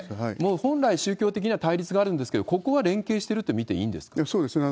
本来、宗教的な対立があるんですけれども、ここは連携してると見ていいそうですね。